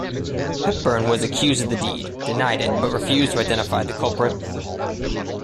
Hepburn was accused of the deed, denied it, but refused to identify the culprit.